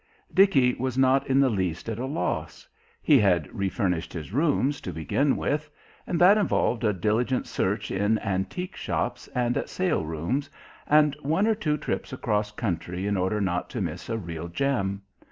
Dickie was not in the least at a loss; he had refurnished his rooms, to begin with; and that involved a diligent search in antique shops and at sale rooms, and one or two trips across country in order not to miss a real gem.